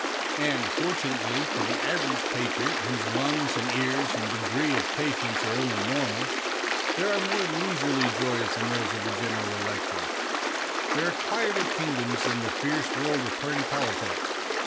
And, fortunately for the average patriot whose lungs and ears and degree of patience are only normal, there are more leisurely joys than those of a General Election ; there are quieter kingdoms than the fierce world of party politics.